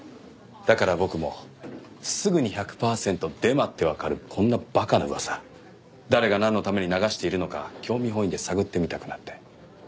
だから僕もすぐに１００パーセントデマってわかるこんな馬鹿な噂誰がなんのために流しているのか興味本位で探ってみたくなって。